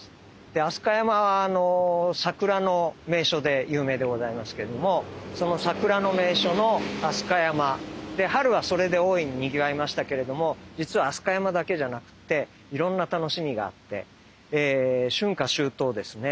で飛鳥山は桜の名所で有名でございますけれどもその桜の名所の飛鳥山。で春はそれで大いににぎわいましたけれども実は飛鳥山だけじゃなくていろんな楽しみがあって春夏秋冬ですね